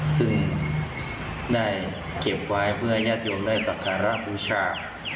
ซึ่งได้เก็บไว้เพื่อให้ญาติโยมได้สักการะบูชา